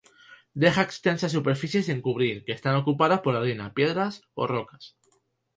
Deja extensas superficies sin cubrir, que están ocupadas por arena, piedras o rocas.